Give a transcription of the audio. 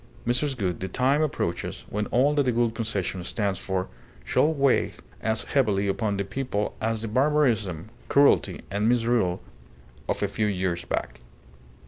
Mrs. Gould, the time approaches when all that the Gould Concession stands for shall weigh as heavily upon the people as the barbarism, cruelty, and misrule of a few years back."